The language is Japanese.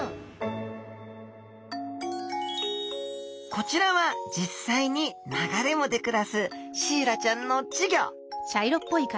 こちらは実際に流れ藻で暮らすシイラちゃんの稚魚。